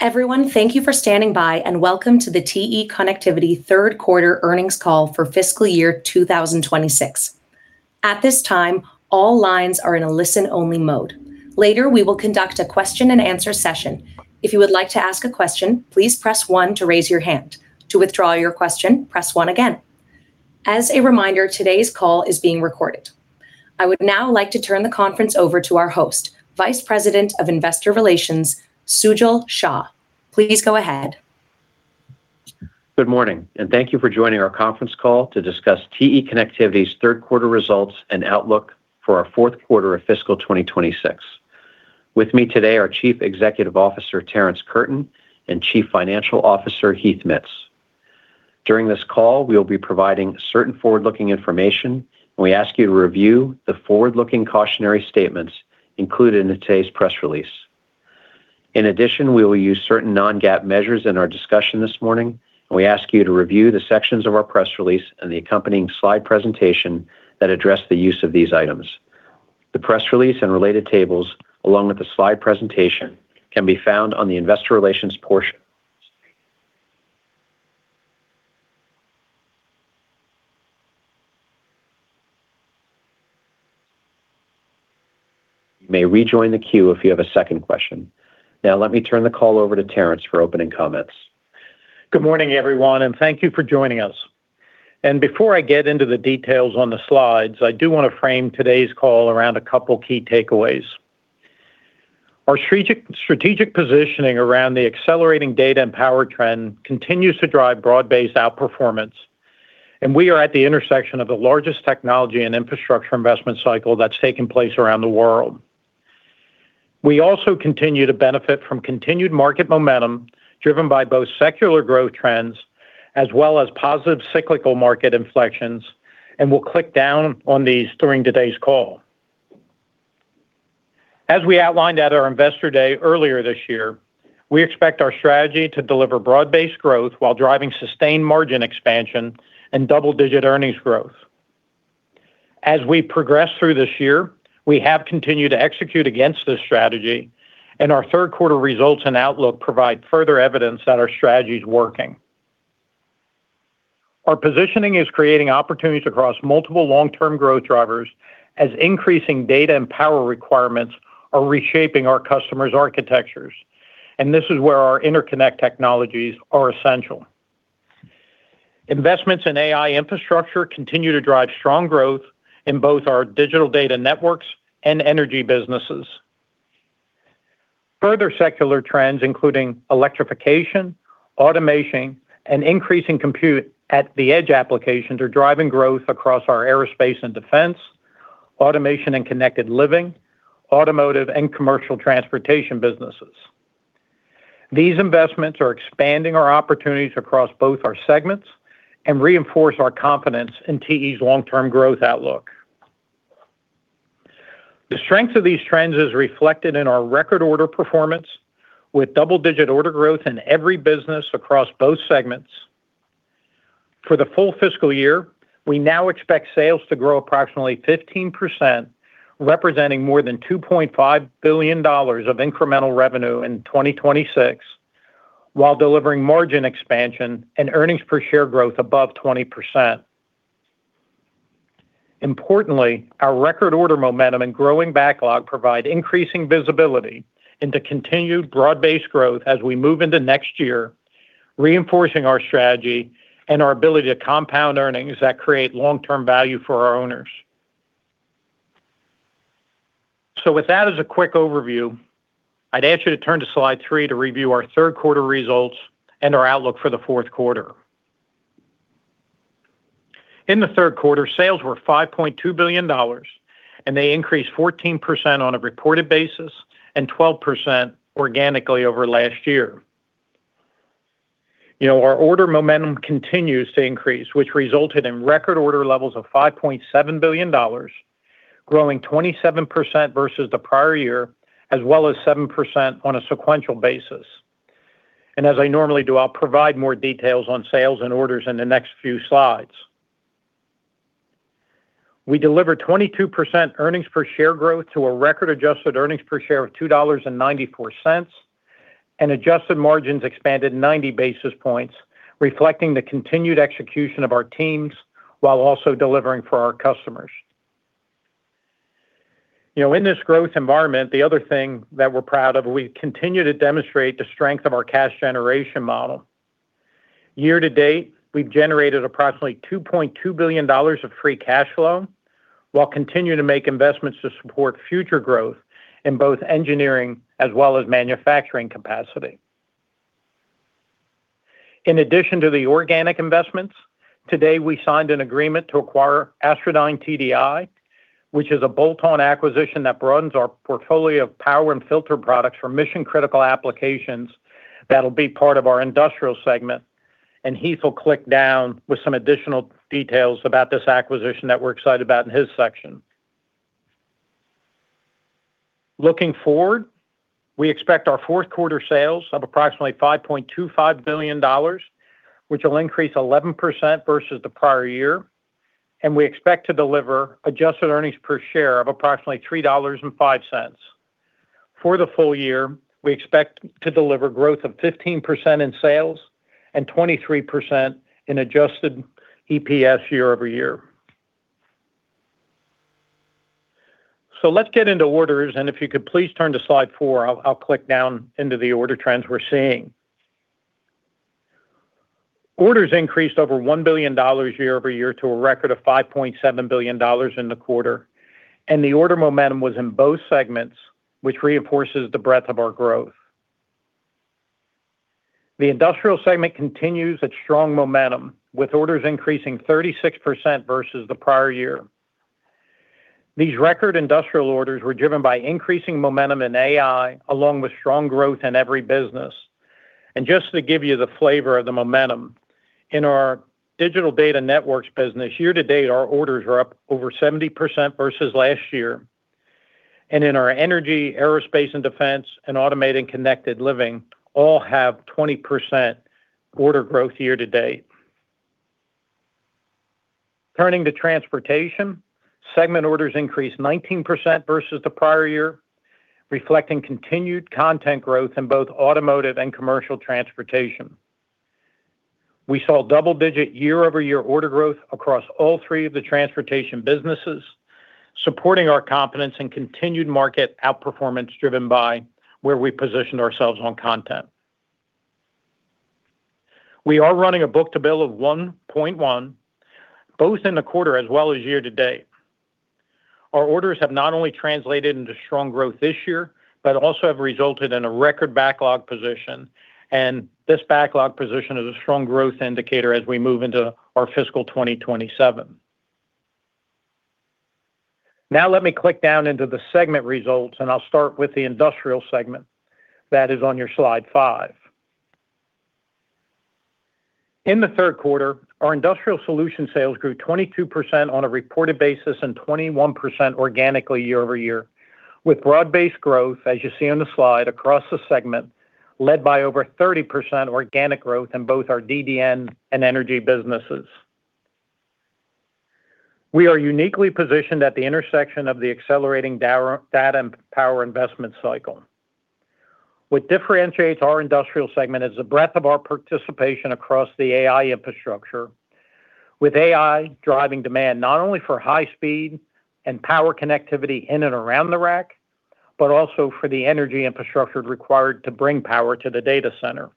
Everyone, thank you for standing by, and welcome to the TE Connectivity third quarter earnings call for fiscal year 2026. At this time, all lines are in a listen-only mode. Later, we will conduct a question-and-answer session. If you would like to ask a question, please press one to raise your hand. To withdraw your question, press one again. As a reminder, today's call is being recorded. I would now like to turn the conference over to our host, Vice President of Investor Relations, Sujal Shah. Please go ahead. Good morning. Thank you for joining our conference call to discuss TE Connectivity's third quarter results and outlook for our fourth quarter of fiscal 2026. With me today are Chief Executive Officer, Terrence Curtin, and Chief Financial Officer, Heath Mitts. During this call, we will be providing certain forward-looking information. We ask you to review the forward-looking cautionary statements included in today's press release. In addition, we will use certain non-GAAP measures in our discussion this morning. We ask you to review the sections of our press release and the accompanying slide presentation that address the use of these items. The press release and related tables, along with the slide presentation, can be found on the investor relations portion. You may rejoin the queue if you have a second question. Let me turn the call over to Terrence for opening comments. Good morning, everyone. Thank you for joining us. Before I get into the details on the slides, I do want to frame today's call around a couple key takeaways. Our strategic positioning around the accelerating data and power trend continues to drive broad-based outperformance. We are at the intersection of the largest technology and infrastructure investment cycle that's taking place around the world. We also continue to benefit from continued market momentum driven by both secular growth trends as well as positive cyclical market inflections. We'll click down on these during today's call. As we outlined at our investor day earlier this year, we expect our strategy to deliver broad-based growth while driving sustained margin expansion and double-digit earnings growth. As we progress through this year, we have continued to execute against this strategy. Our third quarter results and outlook provide further evidence that our strategy is working. Our positioning is creating opportunities across multiple long-term growth drivers as increasing data and power requirements are reshaping our customers' architectures. This is where our interconnect technologies are essential. Investments in AI infrastructure continue to drive strong growth in both our Digital Data Networks and energy businesses. Further secular trends, including electrification, automation, and increasing compute at the edge applications, are driving growth across our Aerospace and Defense, Automation and Connected Living, automotive, and Commercial Transportation businesses. These investments are expanding our opportunities across both our segments and reinforce our confidence in TE's long-term growth outlook. The strength of these trends is reflected in our record order performance, with double-digit order growth in every business across both segments. For the full fiscal year, we now expect sales to grow approximately 15%, representing more than $2.5 billion of incremental revenue in 2026 while delivering margin expansion and earnings per share growth above 20%. Importantly, our record order momentum and growing backlog provide increasing visibility into continued broad-based growth as we move into next year, reinforcing our strategy and our ability to compound earnings that create long-term value for our owners. With that as a quick overview, I'd ask you to turn to slide three to review our third quarter results and our outlook for the fourth quarter. In the third quarter, sales were $5.2 billion, and they increased 14% on a reported basis and 12% organically over last year. Our order momentum continues to increase, which resulted in record order levels of $5.7 billion, growing 27% versus the prior year as well as 7% on a sequential basis. As I normally do, I'll provide more details on sales and orders in the next few slides. We delivered 22% earnings per share growth to a record adjusted earnings per share of $2.94, and adjusted margins expanded 90 basis points, reflecting the continued execution of our teams while also delivering for our customers. In this growth environment, the other thing that we're proud of, we continue to demonstrate the strength of our cash generation model. Year-to-date, we've generated approximately $2.2 billion of free cash flow while continuing to make investments to support future growth in both engineering as well as manufacturing capacity. In addition to the organic investments, today we signed an agreement to acquire Astrodyne TDI, which is a bolt-on acquisition that broadens our portfolio of power and filter products for mission-critical applications that'll be part of our Industrial segment, and Heath will click down with some additional details about this acquisition that we're excited about in his section. Looking forward, we expect our fourth quarter sales of approximately $5.25 billion, which will increase 11% versus the prior year. We expect to deliver adjusted earnings per share of approximately $3.05. For the full year, we expect to deliver growth of 15% in sales and 23% in adjusted EPS year-over-year. Let's get into orders, and if you could please turn to slide four, I'll click down into the order trends we're seeing. Orders increased over $1 billion year-over-year to a record of $5.7 billion in the quarter, and the order momentum was in both segments, which reinforces the breadth of our growth. The Industrial segment continues its strong momentum, with orders increasing 36% versus the prior year. These record Industrial orders were driven by increasing momentum in AI, along with strong growth in every business. Just to give you the flavor of the momentum, in our Digital Data Networks business, year-to-date, our orders are up over 70% versus last year. In our energy, Aerospace and Defense, and Automation and Connected Living, all have 20% order growth year-to-date. Turning to Transportation, segment orders increased 19% versus the prior year, reflecting continued content growth in both automotive and commercial transportation. We saw double-digit year-over-year order growth across all three of the transportation businesses, supporting our confidence in continued market outperformance driven by where we positioned ourselves on content. We are running a book-to-bill of 1.1, both in the quarter as well as year to date. Our orders have not only translated into strong growth this year, but also have resulted in a record backlog position, and this backlog position is a strong growth indicator as we move into our fiscal 2027. Let me click down into the segment results, and I'll start with the Industrial Solutions segment that is on your slide five. In the third quarter, our Industrial Solutions sales grew 22% on a reported basis and 21% organically year-over-year, with broad-based growth, as you see on the slide, across the segment, led by over 30% organic growth in both our DDN and energy businesses. We are uniquely positioned at the intersection of the accelerating data and power investment cycle. What differentiates our Industrial Solutions segment is the breadth of our participation across the AI infrastructure, with AI driving demand not only for high speed and power connectivity in and around the rack, but also for the energy infrastructure required to bring power to the data center.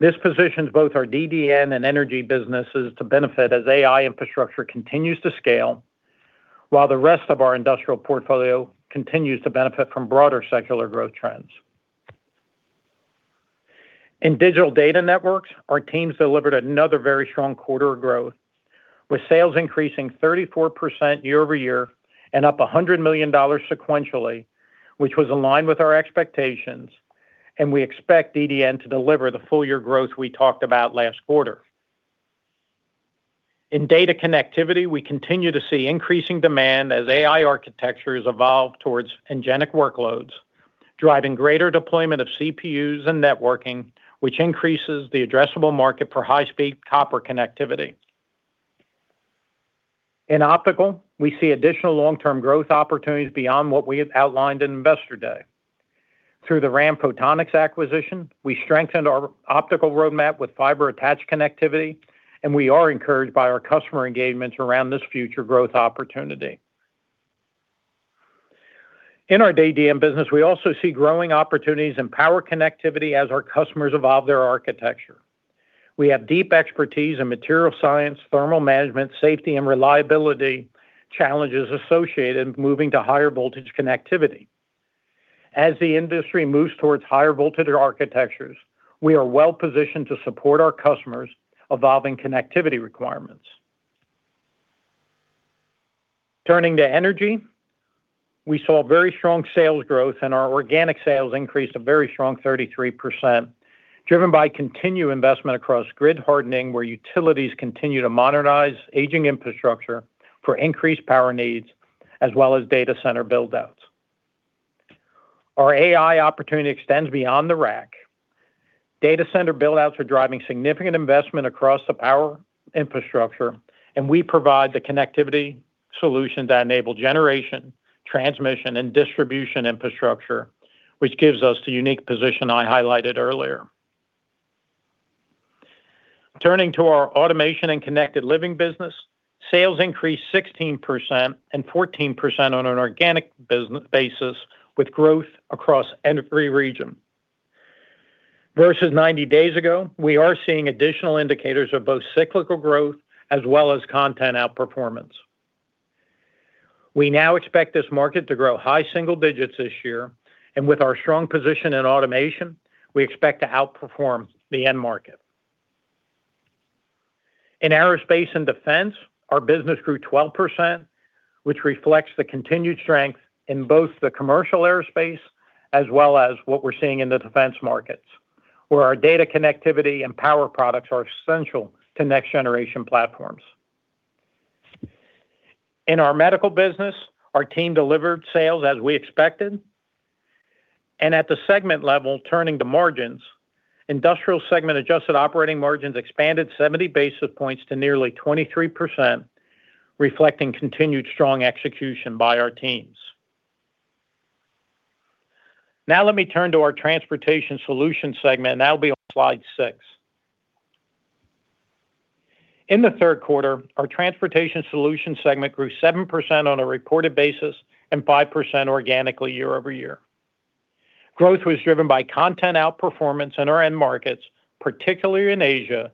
This positions both our DDN and energy businesses to benefit as AI infrastructure continues to scale, while the rest of our industrial portfolio continues to benefit from broader secular growth trends. In Digital Data Networks, our teams delivered another very strong quarter of growth, with sales increasing 34% year-over-year and up $100 million sequentially, which was in line with our expectations, and we expect DDN to deliver the full-year growth we talked about last quarter. In data connectivity, we continue to see increasing demand as AI architectures evolve towards agentic workloads, driving greater deployment of CPUs and networking, which increases the addressable market for high-speed copper connectivity. In optical, we see additional long-term growth opportunities beyond what we had outlined in Investor Day. Through the RAM Photonics acquisition, we strengthened our optical roadmap with fiber-attached connectivity, and we are encouraged by our customer engagements around this future growth opportunity. In our DDN business, we also see growing opportunities in power connectivity as our customers evolve their architecture. We have deep expertise in material science, thermal management, safety, and reliability challenges associated with moving to higher voltage connectivity. As the industry moves towards higher voltage architectures, we are well positioned to support our customers' evolving connectivity requirements. Turning to energy, we saw very strong sales growth and our organic sales increased a very strong 33%, driven by continued investment across grid hardening, where utilities continue to modernize aging infrastructure for increased power needs as well as data center build-outs. Our AI opportunity extends beyond the rack. Data center build-outs are driving significant investment across the power infrastructure, and we provide the connectivity solutions that enable generation, transmission, and distribution infrastructure, which gives us the unique position I highlighted earlier. Turning to our Automation and Connected Living business, sales increased 16% and 14% on an organic basis, with growth across every region. Versus 90 days ago, we are seeing additional indicators of both cyclical growth as well as content outperformance. We now expect this market to grow high single digits this year, and with our strong position in automation, we expect to outperform the end market. In aerospace and defense, our business grew 12%, which reflects the continued strength in both the commercial aerospace as well as what we're seeing in the defense markets, where our data connectivity and power products are essential to next-generation platforms. In our medical business, our team delivered sales as we expected. At the segment level, turning to margins, Industrial Solutions segment adjusted operating margins expanded 70 basis points to nearly 23%, reflecting continued strong execution by our teams. Let me turn to our Transportation Solutions segment, and that'll be on slide six. In the third quarter, our Transportation Solutions segment grew 7% on a reported basis and 5% organically year-over-year. Growth was driven by content outperformance in our end markets, particularly in Asia,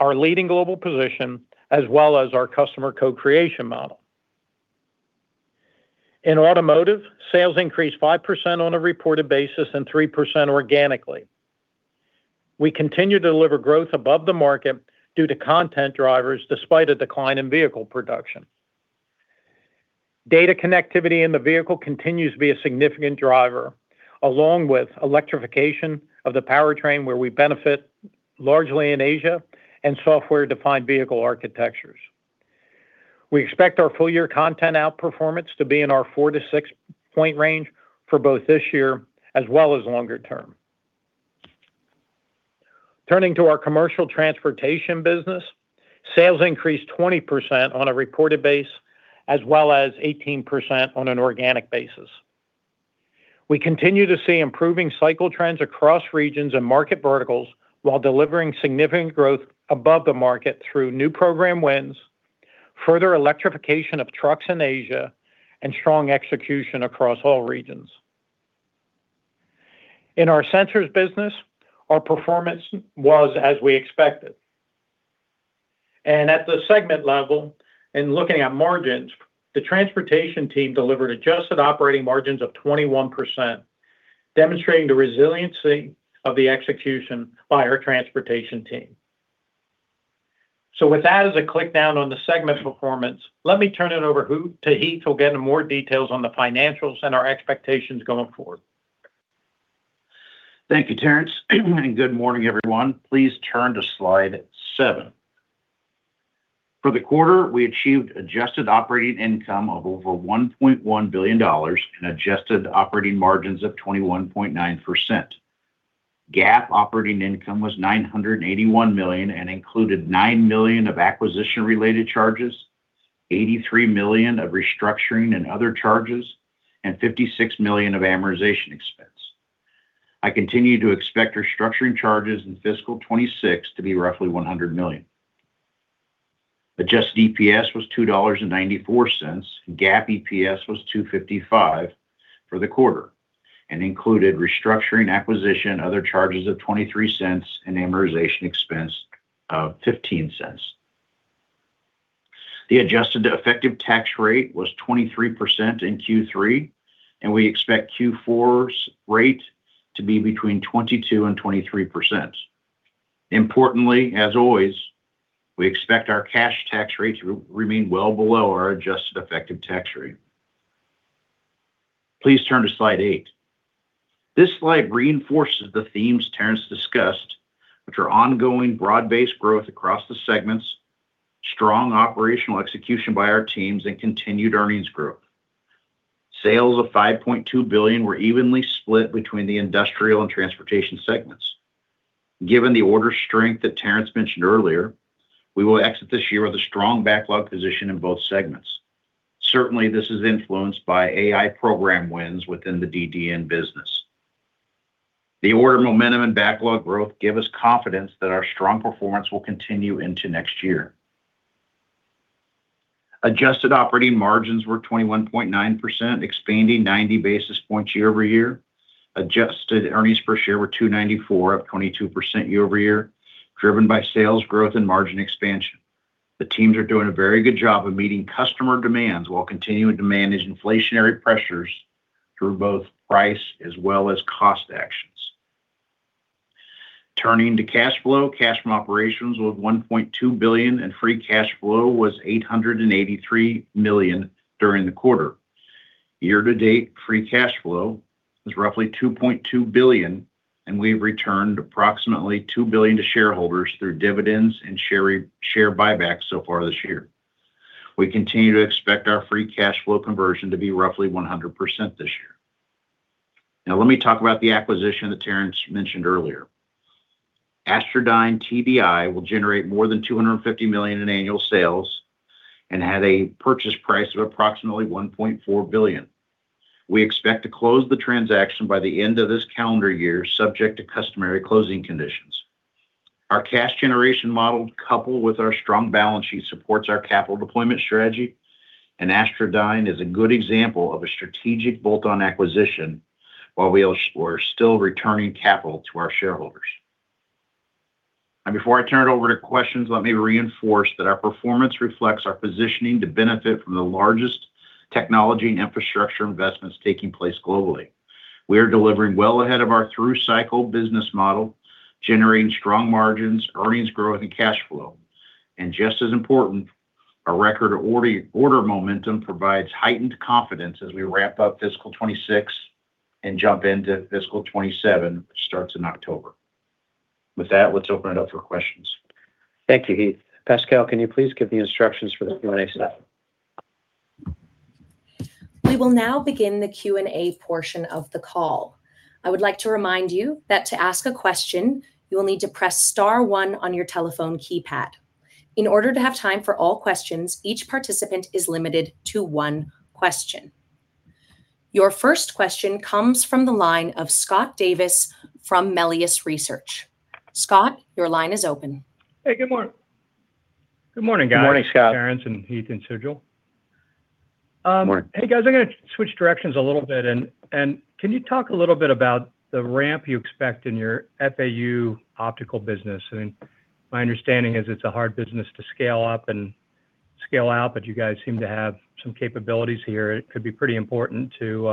our leading global position, as well as our customer co-creation model. In automotive, sales increased 5% on a reported basis and 3% organically. We continue to deliver growth above the market due to content drivers, despite a decline in vehicle production. Data connectivity in the vehicle continues to be a significant driver, along with electrification of the powertrain, where we benefit largely in Asia, and software-defined vehicle architectures. We expect our full-year content outperformance to be in our four to six point range for both this year as well as longer term. Turning to our Commercial Transportation business, sales increased 20% on a reported base as well as 18% on an organic basis. We continue to see improving cycle trends across regions and market verticals while delivering significant growth above the market through new program wins, further electrification of trucks in Asia, and strong execution across all regions. In our sensors business, our performance was as we expected. At the segment level, in looking at margins, the transportation team delivered adjusted operating margins of 21%, demonstrating the resiliency of the execution by our transportation team. With that as a click down on the segment performance, let me turn it over to Heath who'll get into more details on the financials and our expectations going forward. Thank you, Terrence, and good morning, everyone. Please turn to slide seven. For the quarter, we achieved adjusted operating income of over $1.1 billion and adjusted operating margins of 21.9%. GAAP operating income was $981 million and included $9 million of acquisition-related charges, $83 million of restructuring and other charges, and $56 million of amortization expense. I continue to expect restructuring charges in fiscal 2026 to be roughly $100 million. Adjusted EPS was $2.94. GAAP EPS was $2.55 for the quarter and included restructuring acquisition, other charges of $0.23, and amortization expense of $0.15. The adjusted effective tax rate was 23% in Q3, and we expect Q4's rate to be between 22% and 23%. Importantly, as always, we expect our cash tax rate to remain well below our adjusted effective tax rate. Please turn to slide eight. This slide reinforces the themes Terrence discussed, which are ongoing broad-based growth across the segments, strong operational execution by our teams, and continued earnings growth. Sales of $5.2 billion were evenly split between the Industrial and Transportation segments. Given the order strength that Terrence mentioned earlier, we will exit this year with a strong backlog position in both segments. Certainly, this is influenced by AI program wins within the DDN business. The order momentum and backlog growth give us confidence that our strong performance will continue into next year. Adjusted operating margins were 21.9%, expanding 90 basis points year-over-year. Adjusted earnings per share were $2.94, up 22% year-over-year, driven by sales growth and margin expansion. The teams are doing a very good job of meeting customer demands while continuing to manage inflationary pressures through both price as well as cost actions. Turning to cash flow, cash from operations was $1.2 billion, and free cash flow was $883 million during the quarter. Year-to-date, free cash flow was roughly $2.2 billion, and we've returned approximately $2 billion to shareholders through dividends and share buybacks so far this year. We continue to expect our free cash flow conversion to be roughly 100% this year. Let me talk about the acquisition that Terrence mentioned earlier. Astrodyne TDI will generate more than $250 million in annual sales and had a purchase price of approximately $1.4 billion. We expect to close the transaction by the end of this calendar year, subject to customary closing conditions. Our cash generation model, coupled with our strong balance sheet, supports our capital deployment strategy, and Astrodyne is a good example of a strategic bolt-on acquisition while we're still returning capital to our shareholders. Before I turn it over to questions, let me reinforce that our performance reflects our positioning to benefit from the largest technology and infrastructure investments taking place globally. We are delivering well ahead of our through-cycle business model, generating strong margins, earnings growth, and cash flow. Just as important, our record order momentum provides heightened confidence as we wrap up fiscal 2026 and jump into fiscal 2027, which starts in October. With that, let's open it up for questions. Thank you, Heath. Pascal, can you please give the instructions for the Q&A session? We will now begin the Q&A portion of the call. I would like to remind you that to ask a question, you will need to press star one on your telephone keypad. In order to have time for all questions, each participant is limited to one question. Your first question comes from the line of Scott Davis from Melius Research. Scott, your line is open. Hey, good morning. Good morning, guys. Good morning, Scott. Terrence and Heath and Sujal. Morning. Hey, guys. Can you talk a little bit about the ramp you expect in your FAU optical business? My understanding is it's a hard business to scale up and scale out, but you guys seem to have some capabilities here. It could be pretty important to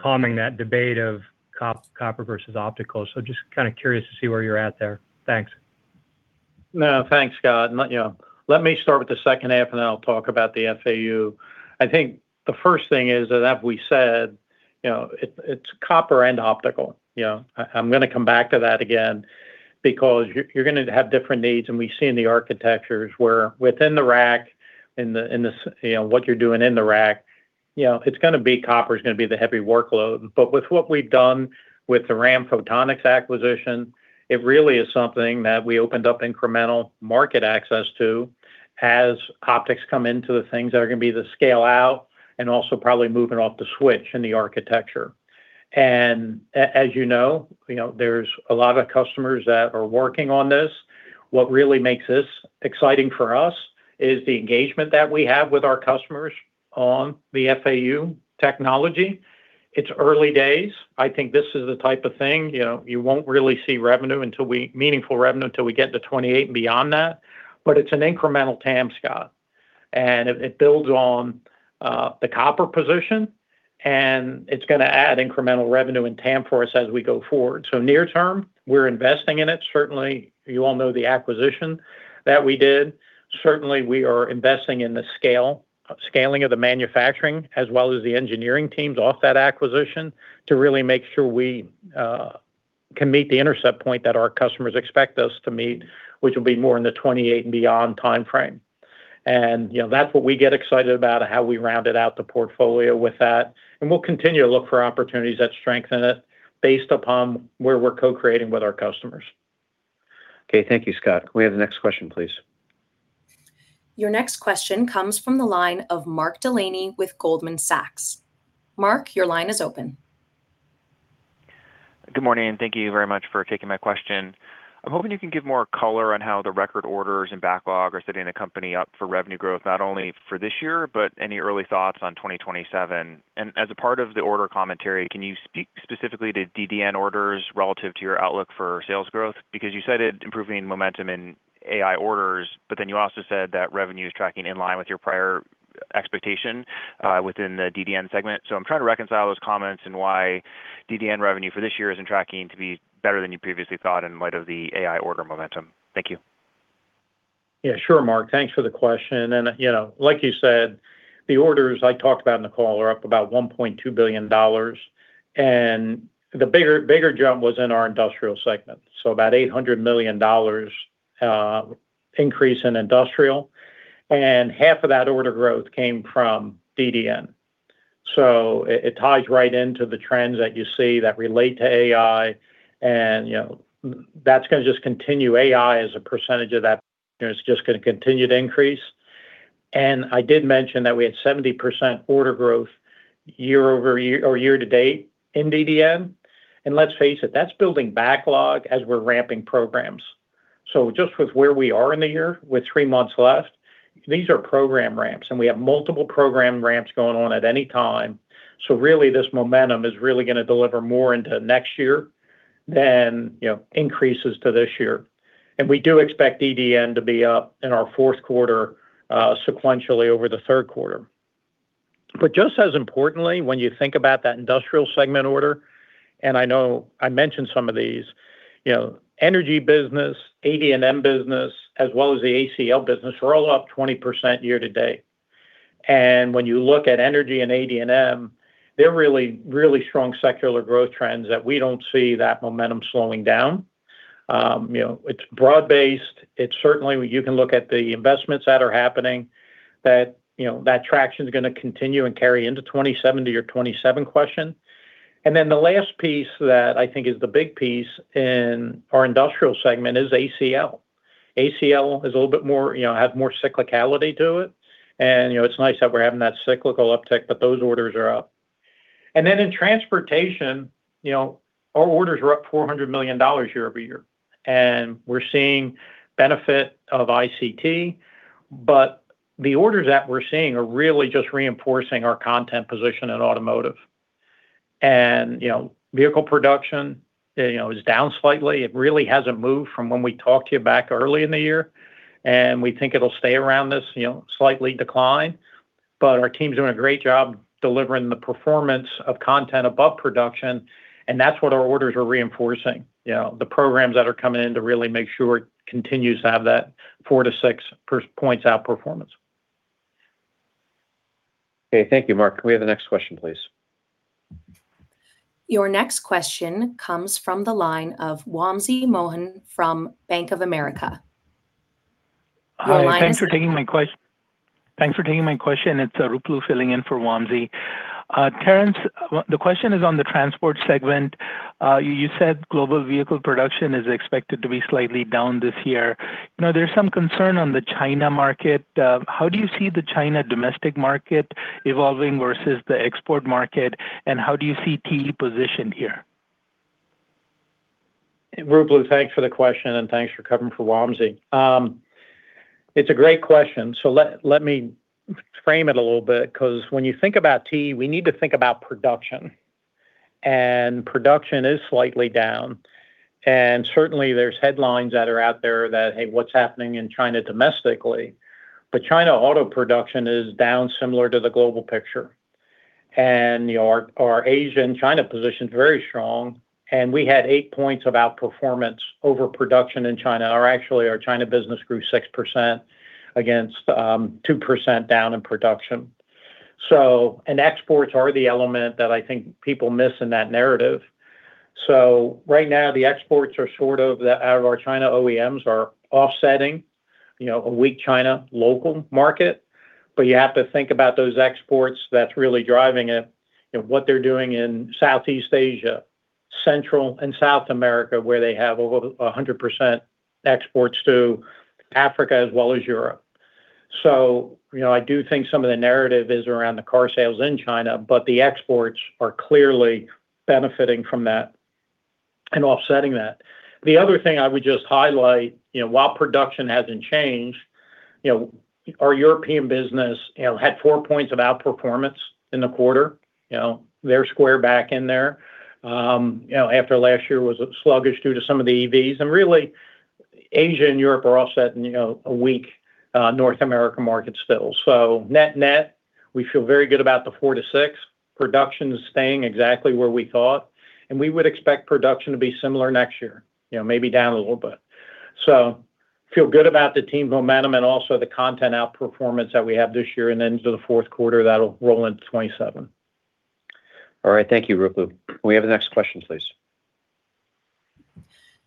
calming that debate of copper versus optical. Just curious to see where you're at there. Thanks. No, thanks, Scott. Let me start with the second half. Then I'll talk about the FAU. I think the first thing is that we said it's copper and optical. I'm going to come back to that again because you're going to have different needs. We've seen the architectures where within the rack, what you're doing in the rack, copper's going to be the heavy workload. With what we've done with the RAM Photonics acquisition, it really is something that we opened up incremental market access to as optics come into the things that are going to be the scale out, also probably moving off the switch in the architecture. As you know, there's a lot of customers that are working on this. What really makes this exciting for us is the engagement that we have with our customers on the FAU technology. It's early days. I think this is the type of thing, you won't really see meaningful revenue until we get to 2028 and beyond that. It's an incremental TAM, Scott, and it builds on the copper position, and it's going to add incremental revenue and TAM for us as we go forward. Near term, we're investing in it. Certainly, you all know the acquisition that we did. Certainly, we are investing in the scaling of the manufacturing as well as the engineering teams off that acquisition to really make sure we can meet the intercept point that our customers expect us to meet, which will be more in the 2028 and beyond timeframe. That's what we get excited about, how we rounded out the portfolio with that, and we'll continue to look for opportunities that strengthen it based upon where we're co-creating with our customers. Okay. Thank you, Scott. Can we have the next question, please? Your next question comes from the line of Mark Delaney with Goldman Sachs. Mark, your line is open. Good morning. Thank you very much for taking my question. I'm hoping you can give more color on how the record orders and backlog are setting the company up for revenue growth, not only for this year, but any early thoughts on 2027. As a part of the order commentary, can you speak specifically to DDN orders relative to your outlook for sales growth? Because you said it improving momentum in AI orders, but then you also said that revenue is tracking in line with your prior expectation within the DDN segment. I'm trying to reconcile those comments and why DDN revenue for this year isn't tracking to be better than you previously thought in light of the AI order momentum. Thank you. Yeah, sure, Mark. Thanks for the question. Like you said, the orders I talked about in the call are up about $1.2 billion. The bigger jump was in our Industrial segment, so about $800 million increase in Industrial, and half of that order growth came from DDN. It ties right into the trends that you see that relate to AI, and that's going to just continue. AI, as a percentage of that, is just going to continue to increase. I did mention that we had 70% order growth year-to-date in DDN. Let's face it, that's building backlog as we're ramping programs. Just with where we are in the year, with three months left, these are program ramps, and we have multiple program ramps going on at any time. Really, this momentum is really going to deliver more into next year than increases to this year. We do expect DDN to be up in our fourth quarter sequentially over the third quarter. Just as importantly, when you think about that Industrial segment order, I know I mentioned some of these, energy business, AD&M business, as well as the ACL business, we're all up 20% year-to-date. When you look at energy and AD&M, they're really, really strong secular growth trends that we don't see that momentum slowing down. It's broad-based. Certainly, you can look at the investments that are happening, that traction's going to continue and carry into 2027, to your 2027 question. The last piece that I think is the big piece in our Industrial segment is ACL. ACL has more cyclicality to it, and it's nice that we're having that cyclical uptick, but those orders are up. In Transportation, our orders are up $400 million year-over-year, and we're seeing benefit of ICT. The orders that we're seeing are really just reinforcing our content position in automotive. Vehicle production is down slightly. It really hasn't moved from when we talked to you back early in the year, and we think it'll stay around this slight decline. Our team's doing a great job delivering the performance of content above production, and that's what our orders are reinforcing. The programs that are coming in to really make sure it continues to have that four to six points outperformance. Thank you, Mark. Can we have the next question, please? Your next question comes from the line of Wamsi Mohan from Bank of America. Your line is open. Thanks for taking my question. It's Ruplu filling in for Wamsi. Terrence, the question is on the Transportation Solutions segment. You said global vehicle production is expected to be slightly down this year. There's some concern on the China market. How do you see the China domestic market evolving versus the export market, and how do you see TE positioned here? Ruplu, thanks for the question and thanks for covering for Wamsi. It's a great question. Let me frame it a little bit, because when you think about TE, we need to think about production. Production is slightly down, and certainly there's headlines that are out there that, "Hey, what's happening in China domestically?" China auto production is down similar to the global picture. Our Asian-China position's very strong, and we had eight points of outperformance over production in China. Or actually, our China business grew 6% against 2% down in production. Exports are the element that I think people miss in that narrative. Right now, the exports out of our China OEMs are offsetting a weak China local market. You have to think about those exports that's really driving it and what they're doing in Southeast Asia, Central and South America, where they have over 100% exports to Africa as well as Europe. I do think some of the narrative is around the car sales in China, the exports are clearly benefiting from that and offsetting that. The other thing I would just highlight, while production hasn't changed, our European business had four points of outperformance in the quarter. They're square back in there after last year was sluggish due to some of the EVs. Really, Asia and Europe are offset in a weak North America market still. Net-net, we feel very good about the four to six. Production is staying exactly where we thought, and we would expect production to be similar next year, maybe down a little bit. Feel good about the team momentum and also the content outperformance that we have this year and into the fourth quarter that'll roll into 2027. All right. Thank you, Ruplu. Can we have the next question, please?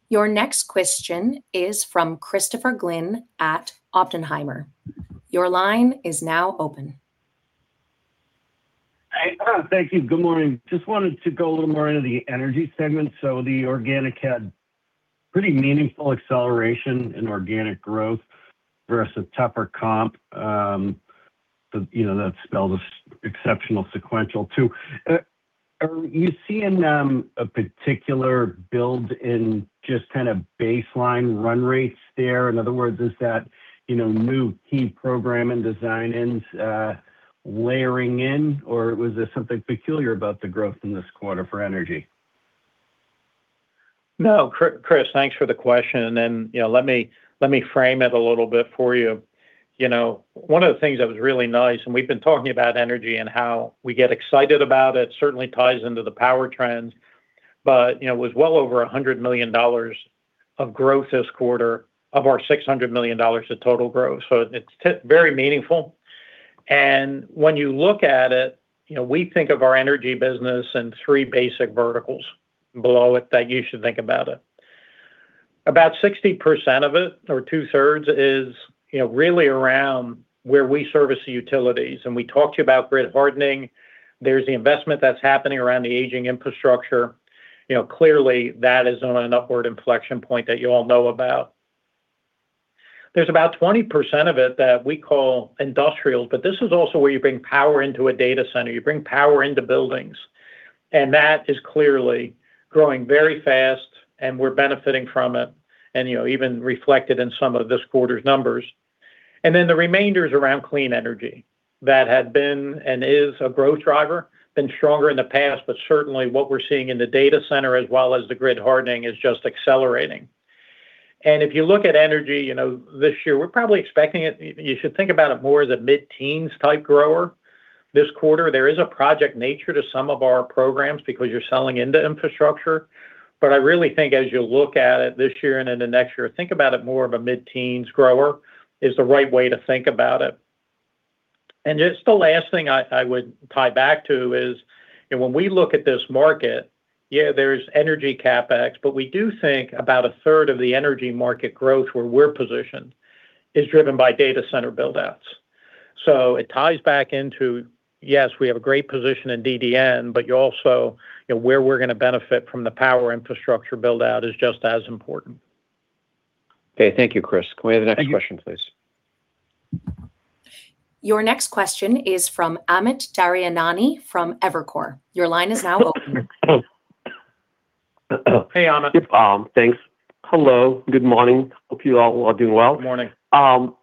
Your next question is from Christopher Glynn at Oppenheimer. Your line is now open. Thank you. Good morning. Just wanted to go a little more into the energy segment. The organic had pretty meaningful acceleration in organic growth versus tougher comp. That spells exceptional sequential too. Are you seeing a particular build in just baseline run rates there? In other words, is that new key program and design wins layering in, or was there something peculiar about the growth in this quarter for energy? No, Chris, thanks for the question. Let me frame it a little bit for you. One of the things that was really nice, and we've been talking about energy and how we get excited about it certainly ties into the power trends, but it was well over $100 million of growth this quarter of our $600 million of total growth. It's very meaningful. When you look at it, we think of our energy business in three basic verticals below it that you should think about it. About 60% of it, or two-thirds, is really around where we service the utilities, and we talked about grid hardening. There's the investment that's happening around the aging infrastructure. Clearly, that is on an upward inflection point that you all know about. There's about 20% of it that we call industrial, but this is also where you bring power into a data center. You bring power into buildings, and that is clearly growing very fast, and we're benefiting from it, and even reflected in some of this quarter's numbers. The remainder is around clean energy. That had been, and is, a growth driver. Been stronger in the past, but certainly what we're seeing in the data center, as well as the grid hardening, is just accelerating. If you look at energy this year, we're probably expecting it, you should think about it more as a mid-teens type grower this quarter. There is a project nature to some of our programs because you're selling into infrastructure. I really think as you look at it this year and into next year, think about it more of a mid-teens grower is the right way to think about it. Just the last thing I would tie back to is when we look at this market, yeah, there's energy CapEx, but we do think about 1/3 of the energy market growth where we're positioned is driven by data center build-outs. It ties back into, yes, we have a great position in DDN, but you also, where we're going to benefit from the power infrastructure build-out is just as important. Okay. Thank you, Chris. Can we have the next question, please? Your next question is from Amit Daryanani from Evercore. Your line is now open. Hey, Amit. Thanks. Hello. Good morning. Hope you all are doing well. Good morning.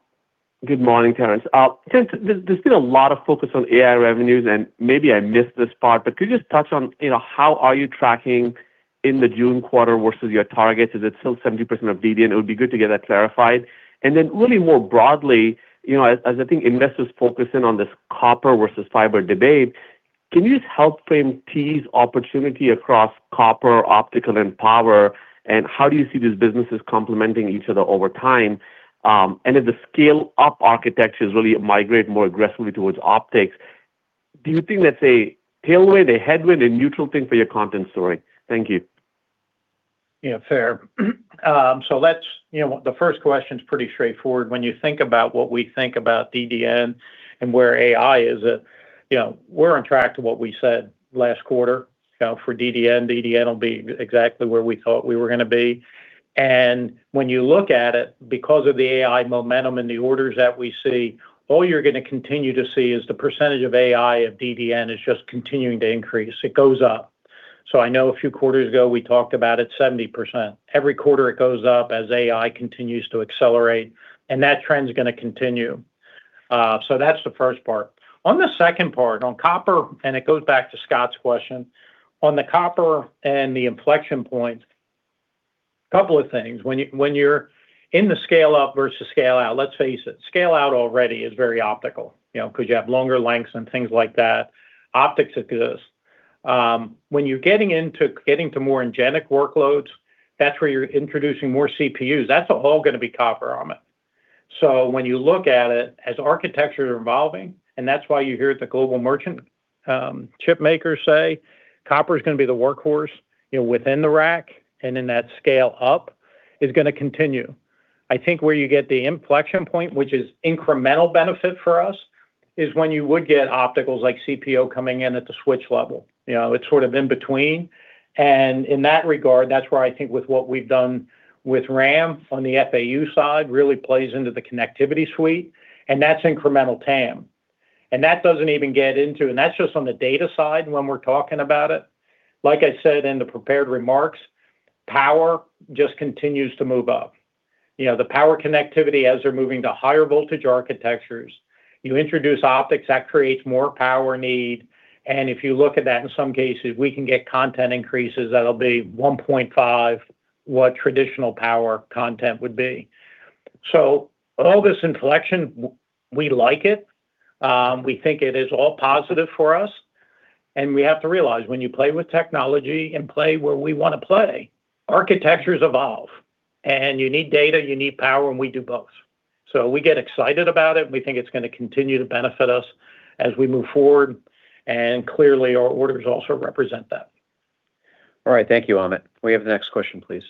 Good morning, Terrence. Terrence, there's been a lot of focus on AI revenues, and maybe I missed this part, but could you just touch on how are you tracking in the June quarter versus your targets? Is it still 70% of DDN? It would be good to get that clarified. Then really more broadly, as I think investors focus in on this copper versus fiber debate Can you just help frame TE's opportunity across copper, optical, and power, and how do you see these businesses complementing each other over time? As the scale-up architectures really migrate more aggressively towards optics, do you think that's a tailwind, a headwind, a neutral thing for your content story? Thank you. Yeah, fair. The first question's pretty straightforward. When you think about what we think about DDN and where AI is, we're on track to what we said last quarter. For DDN will be exactly where we thought we were going to be. When you look at it, because of the AI momentum and the orders that we see, all you're going to continue to see is the percentage of AI of DDN is just continuing to increase. It goes up. I know a few quarters ago we talked about it, 70%. Every quarter it goes up as AI continues to accelerate, and that trend's going to continue. That's the first part. On the second part, on copper, and it goes back to Scott's question. On the copper and the inflection point, couple of things. When you're in the scale-up versus scale-out, let's face it, scale-out already is very optical, because you have longer lengths and things like that. Optics exist. When you're getting to more agentic workloads, that's where you're introducing more CPUs. That's all going to be copper, Amit. When you look at it, as architecture is evolving, and that's why you hear the global merchant chip makers say copper's going to be the workhorse within the rack, and in that scale-up, is going to continue. I think where you get the inflection point, which is incremental benefit for us, is when you would get opticals like CPO coming in at the switch level. It's sort of in between. In that regard, that's where I think with what we've done with RAM on the FAU side really plays into the connectivity suite, and that's incremental TAM. That's just on the data side when we're talking about it. Like I said in the prepared remarks, power just continues to move up. The power connectivity as they're moving to higher voltage architectures. You introduce optics, that creates more power need, and if you look at that, in some cases, we can get content increases that'll be 1.5 what traditional power content would be. All this inflection, we like it. We think it is all positive for us. We have to realize, when you play with technology and play where we want to play, architectures evolve. You need data, you need power, and we do both. We get excited about it, and we think it's going to continue to benefit us as we move forward. Clearly our orders also represent that. All right. Thank you, Amit. Can we have the next question, please?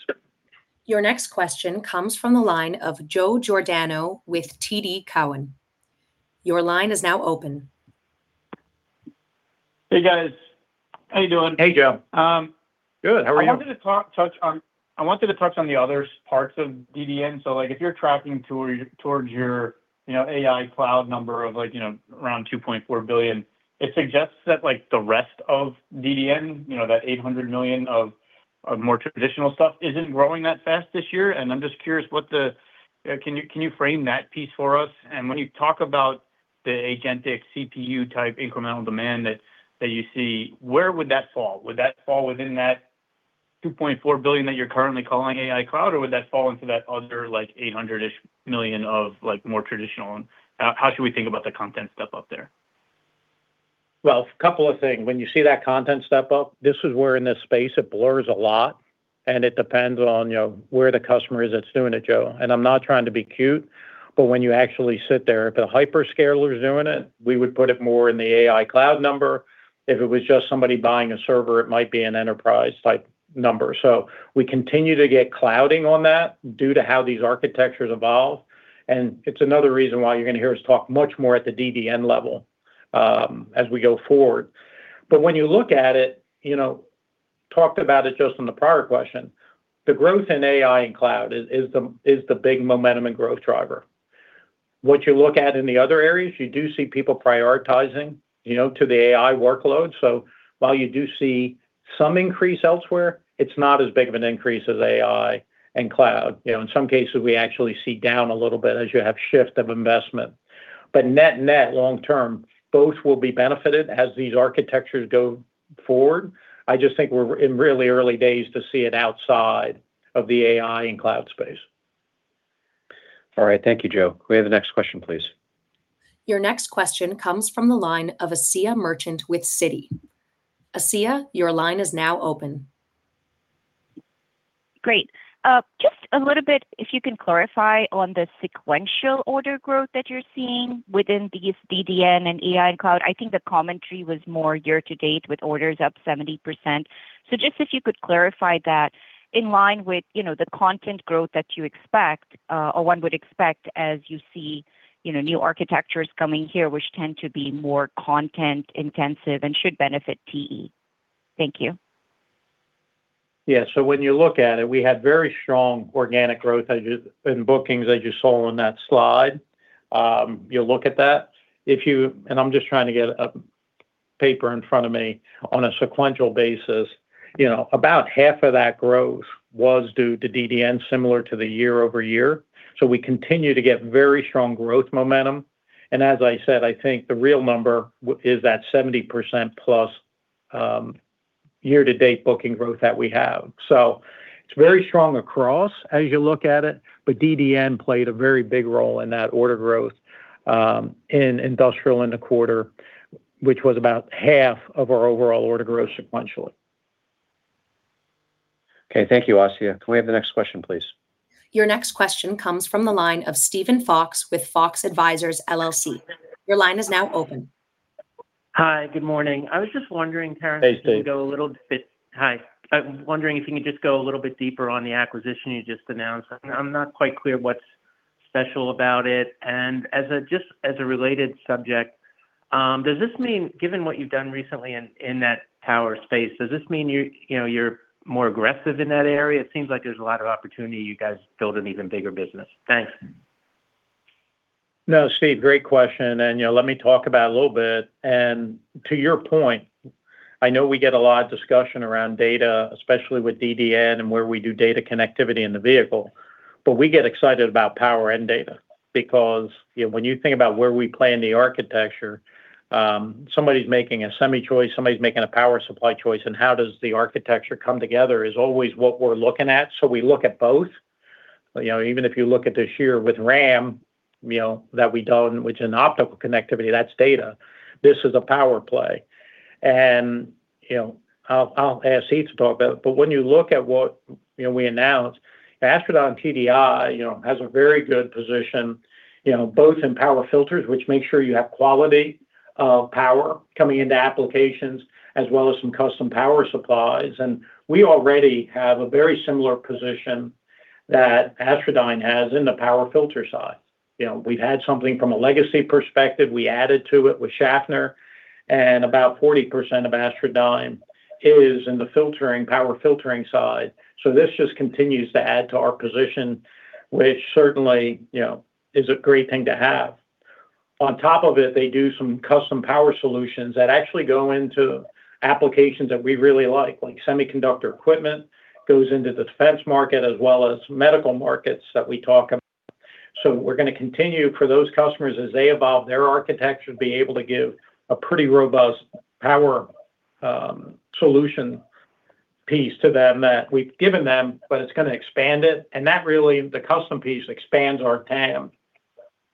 Your next question comes from the line of Joe Giordano with TD Cowen. Your line is now open. Hey, guys. How you doing? Hey, Joe. Good. How are you? I wanted to touch on the other parts of DDN. Like if you're tracking towards your AI cloud number of like around $2.4 billion, it suggests that like the rest of DDN, that $800 million of more traditional stuff isn't growing that fast this year, I'm just curious, can you frame that piece for us? When you talk about the agentic CPU type incremental demand that you see, where would that fall? Would that fall within that $2.4 billion that you're currently calling AI cloud, or would that fall into that other like $800 million-ish of like more traditional, How should we think about the content step up there? Couple of things. When you see that content step up, this is where in this space it blurs a lot, and it depends on where the customer is that's doing it, Joe. I'm not trying to be cute, but when you actually sit there, if a hyperscaler's doing it, we would put it more in the AI cloud number. If it was just somebody buying a server, it might be an enterprise type number. We continue to get clouding on that due to how these architectures evolve, and it's another reason why you're going to hear us talk much more at the DDN level as we go forward. When you look at it, talked about it just on the prior question, the growth in AI and cloud is the big momentum and growth driver. What you look at in the other areas, you do see people prioritizing to the AI workload. While you do see some increase elsewhere, it's not as big of an increase as AI and cloud. In some cases, we actually see down a little bit as you have shift of investment. Net-net, long term, both will be benefited as these architectures go forward. I just think we're in really early days to see it outside of the AI and cloud space. Thank you, Joe. Can we have the next question, please? Your next question comes from the line of Asiya Merchant with Citi. Asiya, your line is now open. Great. Just a little bit, if you can clarify on the sequential order growth that you're seeing within these DDN and AI and cloud. I think the commentary was more year-to-date with orders up 70%. Just if you could clarify that in line with the content growth that you expect, or one would expect as you see new architectures coming here, which tend to be more content intensive and should benefit TE. Thank you. Yeah. When you look at it, we had very strong organic growth in bookings, as you saw on that slide. You look at that. I'm just trying to get a paper in front of me. On a sequential basis, about half of that growth was due to DDN, similar to the year-over-year. We continue to get very strong growth momentum. As I said, I think the real number is that 70%+ year-to-date booking growth that we have. It's very strong across as you look at it, but DDN played a very big role in that order growth in Industrial in the quarter, which was about half of our overall order growth sequentially. Okay. Thank you, Asiya. Can we have the next question, please? Your next question comes from the line of Steven Fox with Fox Advisors LLC. Your line is now open. Hi. Good morning. I was just wondering, Terrence- Hey, Steve. Hi. I'm wondering if you could just go a little bit deeper on the acquisition you just announced. I'm not quite clear what's special about it. Just as a related subject, given what you've done recently in that power space, does this mean you're more aggressive in that area? It seems like there's a lot of opportunity you guys build an even bigger business. Thanks. No, Steve, great question. Let me talk about a little bit. To your point, I know we get a lot of discussion around data, especially with DDN and where we do data connectivity in the vehicle. We get excited about power and data because when you think about where we play in the architecture, somebody's making a semi choice, somebody's making a power supply choice, and how does the architecture come together is always what we're looking at. We look at both. Even if you look at this here with RAM, which in optical connectivity, that's data. This is a power play. I'll ask Heath to talk about it, but when you look at what we announced, Astrodyne TDI has a very good position both in power filters, which makes sure you have quality of power coming into applications as well as some custom power supplies. We already have a very similar position that Astrodyne has in the power filter side. We've had something from a legacy perspective, we added to it with Schaffner, and about 40% of Astrodyne is in the power filtering side. This just continues to add to our position, which certainly is a great thing to have. On top of it, they do some custom power solutions that actually go into applications that we really like semiconductor equipment, goes into the defense market as well as medical markets that we talk about. We're going to continue for those customers as they evolve their architecture, be able to give a pretty robust power solution piece to them that we've given them, but it's going to expand it. That really, the custom piece expands our TAM.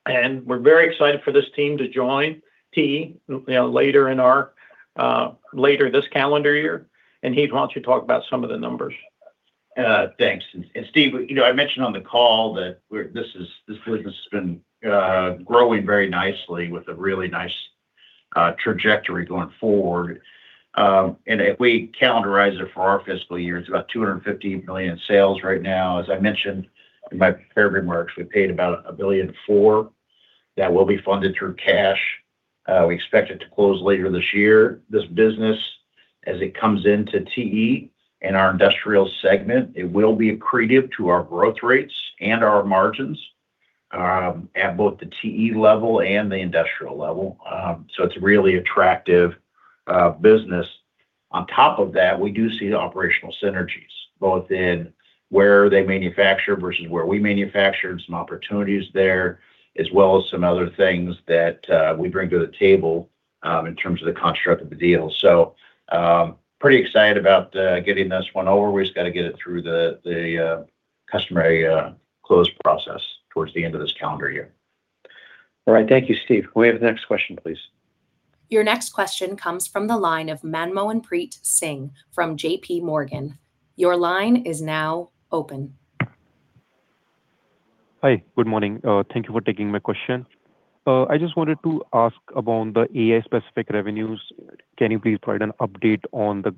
We're very excited for this team to join TE later this calendar year. Heath, why don't you talk about some of the numbers? Thanks, Steve. I mentioned on the call that this business has been growing very nicely with a really nice trajectory going forward. If we calendarize it for our fiscal year, it's about $250 million in sales right now. As I mentioned in my prepared remarks, we paid about $1.4 billion. That will be funded through cash. We expect it to close later this year. This business, as it comes into TE in our industrial segment, it will be accretive to our growth rates and our margins, at both the TE level and the industrial level. It's a really attractive business. On top of that, we do see the operational synergies, both in where they manufacture versus where we manufacture and some opportunities there, as well as some other things that we bring to the table in terms of the construct of the deal. Pretty excited about getting this one over. We've just got to get it through the customary close process towards the end of this calendar year. All right. Thank you, Steve. Can we have the next question, please? Your next question comes from the line of Manmohanpreet Singh from J.P. Morgan. Your line is now open. Hi. Good morning. Thank you for taking my question. I just wanted to ask about the AI specific revenues. Can you please provide an update on the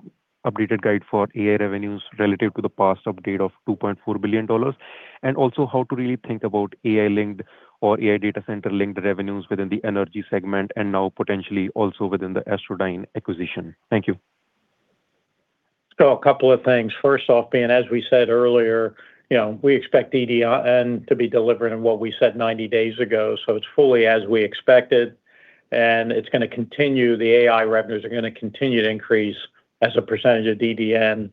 updated guide for AI revenues relative to the past update of $2.4 billion? How to really think about AI linked or AI data center linked revenues within the energy segment and now potentially also within the Astrodyne acquisition. Thank you. A couple of things. First off, as we said earlier, we expect DDN to be delivering on what we said 90 days ago. It's fully as we expected, and it's going to continue. The AI revenues are going to continue to increase as a percentage of DDN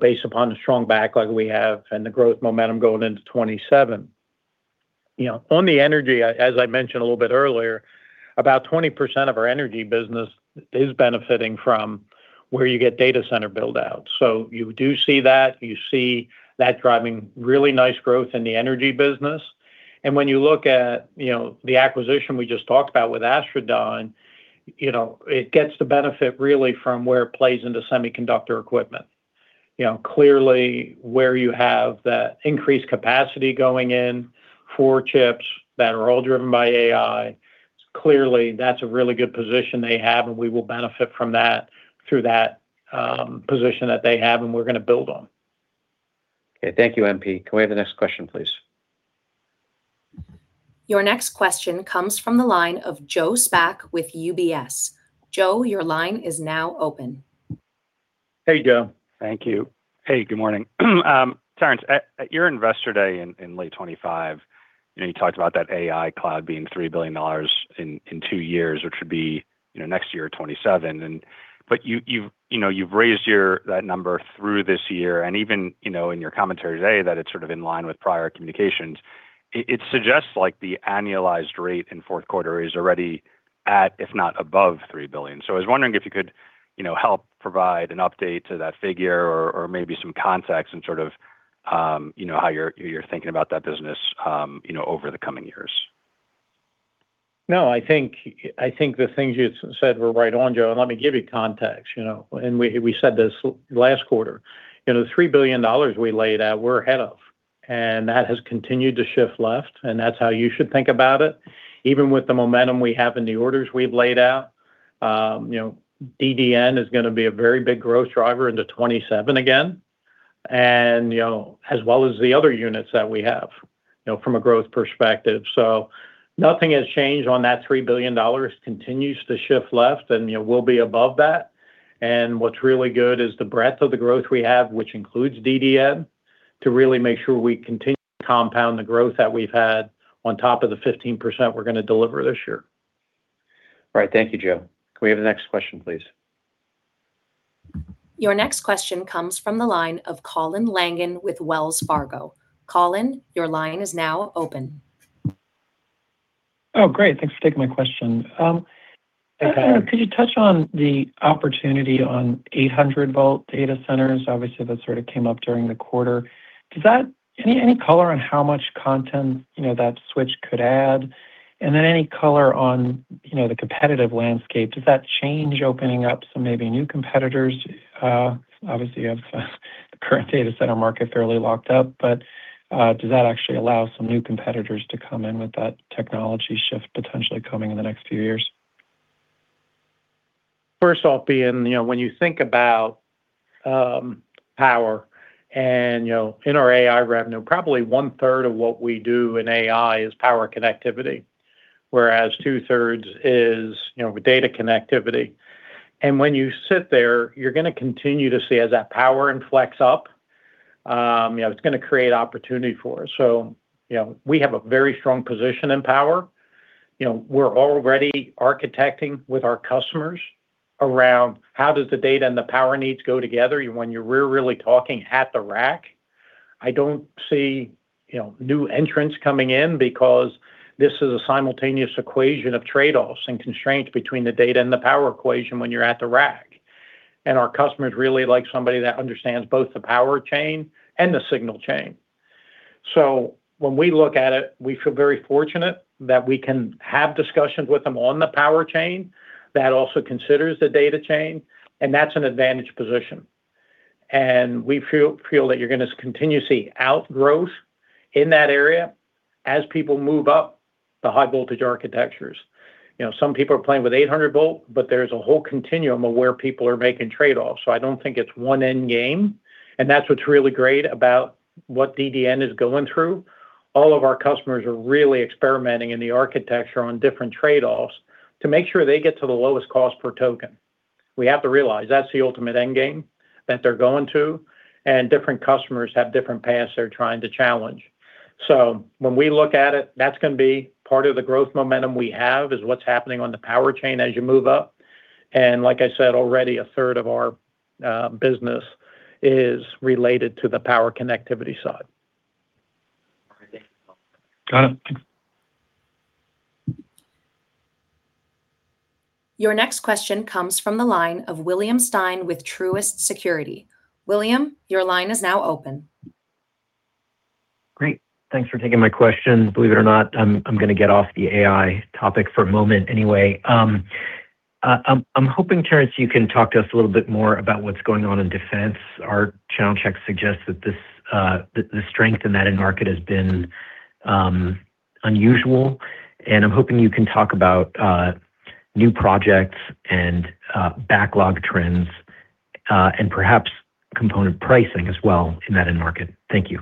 based upon the strong backlog we have and the growth momentum going into 2027. On the energy, as I mentioned a little bit earlier, about 20% of our energy business is benefiting from where you get data center build-out. You do see that. You see that driving really nice growth in the energy business. When you look at the acquisition we just talked about with Astrodyne, it gets the benefit really from where it plays into semiconductor equipment. Clearly where you have that increased capacity going in for chips that are all driven by AI, clearly that's a really good position they have, and we will benefit from that through that position that they have, and we're going to build on. Okay. Thank you, MP. Can we have the next question, please? Your next question comes from the line of Joe Spak with UBS. Joe, your line is now open. Hey, Joe. Thank you. Hey, good morning. Terrence, at your Investor Day in late 2025, you talked about that AI cloud being $3 billion in two years, which would be next year 2027. You've raised that number through this year, and even in your commentary today that it's sort of in line with prior communications. It suggests like the annualized rate in fourth quarter is already at, if not above $3 billion. I was wondering if you could help provide an update to that figure or maybe some context and sort of how you're thinking about that business over the coming years. I think the things you said were right on, Joe, let me give you context. We said this last quarter, the $3 billion we laid out, we're ahead of, and that has continued to shift left, and that's how you should think about it. Even with the momentum we have in the orders we've laid out, DDN is going to be a very big growth driver into 2027 again, as well as the other units that we have from a growth perspective. Nothing has changed on that $3 billion. Continues to shift left, and we'll be above that. What's really good is the breadth of the growth we have, which includes DDN, to really make sure we continue to compound the growth that we've had on top of the 15% we're going to deliver this year. Right. Thank you, Joe. Can we have the next question, please? Your next question comes from the line of Colin Langan with Wells Fargo. Colin, your line is now open. Oh, great. Thanks for taking my question. Go ahead. Terrence, could you touch on the opportunity on 800-volt data centers? Obviously, that sort of came up during the quarter. Any color on how much content that switch could add? Any color on the competitive landscape, does that change opening up some, maybe new competitors? Obviously, you have the current data center market fairly locked up, does that actually allow some new competitors to come in with that technology shift potentially coming in the next few years? First off, [inaudible] when you think about power and in our AI revenue, probably one-third of what we do in AI is power connectivity, whereas two-thirds is data connectivity. When you sit there, you're going to continue to see as that power flex up, it's going to create opportunity for us. We have a very strong position in power. We're already architecting with our customers around how does the data and the power needs go together when you're really talking at the rack. I don't see new entrants coming in because this is a simultaneous equation of trade-offs and constraints between the data and the power equation when you're at the rack. Our customers really like somebody that understands both the power chain and the signal chain. When we look at it, we feel very fortunate that we can have discussions with them on the power chain that also considers the data chain, and that's an advantage position. We feel that you're going to continue to see outgrowth in that area as people move up the high voltage architectures. Some people are playing with 800 volt, there's a whole continuum of where people are making trade-offs. I don't think it's one end game, and that's what's really great about what DDN is going through. All of our customers are really experimenting in the architecture on different trade-offs to make sure they get to the lowest cost per token. We have to realize that's the ultimate end game that they're going to, and different customers have different paths they're trying to challenge. When we look at it, that's going to be part of the growth momentum we have is what's happening on the power chain as you move up. Like I said already, a third of our business is related to the power connectivity side. All right. Thank you. [inaudible] Your next question comes from the line of William Stein with Truist Securities. William, your line is now open. Great. Thanks for taking my question. Believe it or not, I'm going to get off the AI topic for a moment anyway. I'm hoping, Terrence, you can talk to us a little bit more about what's going on in defense. Our channel check suggests that the strength in that end market has been unusual, and I'm hoping you can talk about new projects and backlog trends, and perhaps component pricing as well in that end market. Thank you.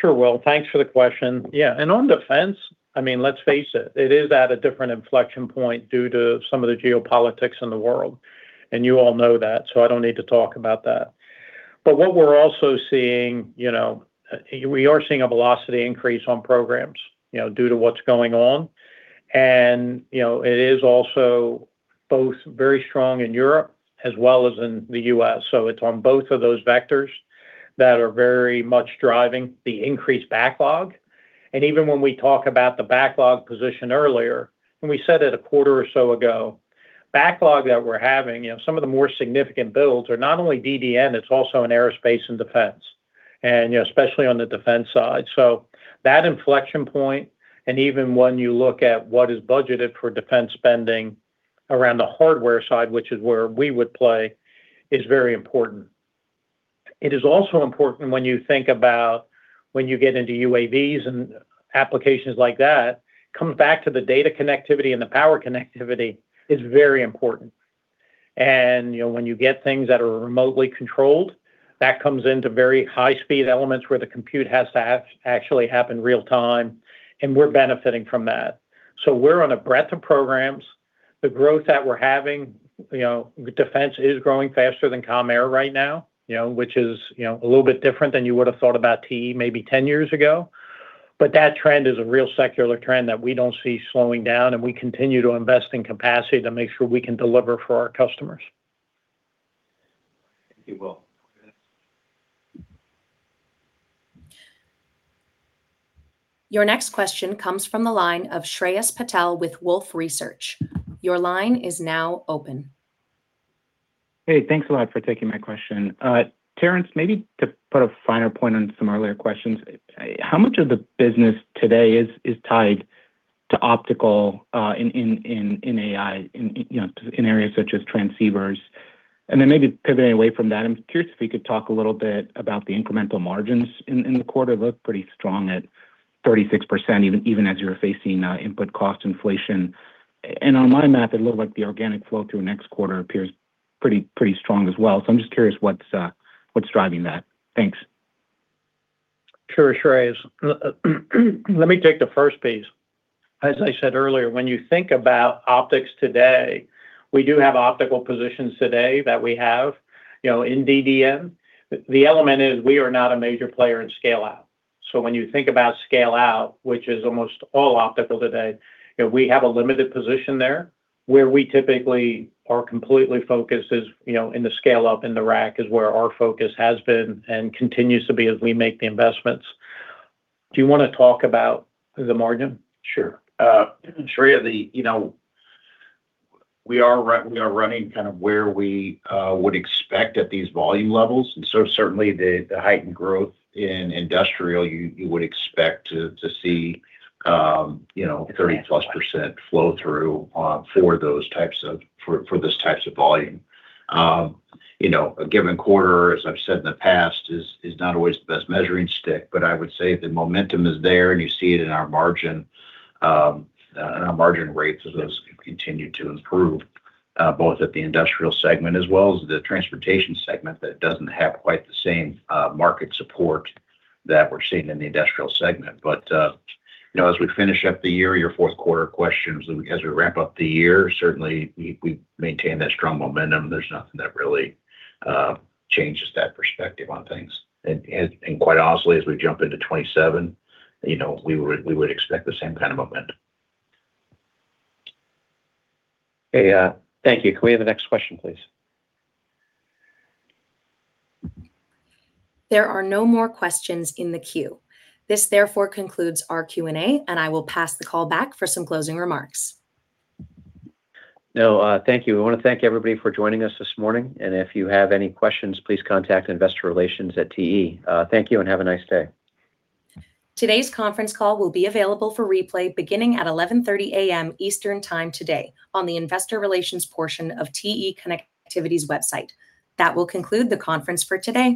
Sure. Will. Thanks for the question. Yeah. On defense, let's face it is at a different inflection point due to some of the geopolitics in the world, and you all know that, I don't need to talk about that. What we're also seeing, we are seeing a velocity increase on programs due to what's going on. It is also both very strong in Europe as well as in the U.S. It's on both of those vectors that are very much driving the increased backlog. Even when we talk about the backlog position earlier, when we said it a quarter or so ago, backlog that we're having, some of the more significant builds are not only DDN, it's also in aerospace and defense, and especially on the defense side. That inflection point, even when you look at what is budgeted for defense spending around the hardware side, which is where we would play, is very important. It is also important when you think about when you get into UAVs and applications like that, come back to the data connectivity and the power connectivity is very important. When you get things that are remotely controlled, that comes into very high speed elements where the compute has to actually happen real time, and we're benefiting from that. We're on a breadth of programs. The growth that we're having, defense is growing faster than commercial air right now, which is a little bit different than you would've thought about TE maybe 10 years ago. That trend is a real secular trend that we don't see slowing down, and we continue to invest in capacity to make sure we can deliver for our customers. [inaudible] Your next question comes from the line of Shreyas Patil with Wolfe Research. Your line is now open. Hey, thanks a lot for taking my question. Terrence, maybe to put a finer point on some earlier questions, how much of the business today is tied to optical in AI, in areas such as transceivers? Maybe pivoting away from that, I'm curious if you could talk a little bit about the incremental margins in the quarter. Looked pretty strong at 36%, even as you were facing input cost inflation. On my math, it looked like the organic flow through next quarter appears pretty strong as well. I'm just curious what's driving that? Thanks. Sure, Shreyas. Let me take the first piece. As I said earlier, when you think about optics today, we do have optical positions today that we have in DDN. The element is we are not a major player in scale-out. When you think about scale-out, which is almost all optical today, we have a limited position there. Where we typically are completely focused is in the scale up, in the rack, is where our focus has been and continues to be as we make the investments. Do you want to talk about the margin? Sure. Shreyas, we are running where we would expect at these volume levels. Certainly, the heightened growth in Industrial, you would expect to see 30+% flow through for these types of volume. A given quarter, as I've said in the past, is not always the best measuring stick, but I would say the momentum is there, and you see it in our margin, and our margin rates have continued to improve, both at the Industrial segment as well as the Transportation segment that doesn't have quite the same market support that we're seeing in the Industrial segment. As we finish up the year, your fourth quarter questions as we wrap up the year, certainly, we maintain that strong momentum. There's nothing that really changes that perspective on things. Quite honestly, as we jump into 2027, we would expect the same kind of momentum. Okay. Thank you. Can we have the next question, please? There are no more questions in the queue. This therefore concludes our Q&A, and I will pass the call back for some closing remarks. No, thank you. I want to thank everybody for joining us this morning, and if you have any questions, please contact investor relations at TE. Thank you and have a nice day. Today's conference call will be available for replay beginning at 11:30 A.M. Eastern Time today on the investor relations portion of TE Connectivity's website. That will conclude the conference for today.